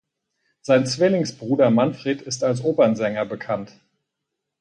Sein Zwillingsbruder Manfred ist als Opernsänger bekannt.